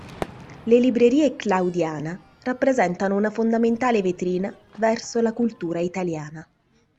Le librerie Claudiana rappresentano una fondamentale vetrina verso la cultura italiana.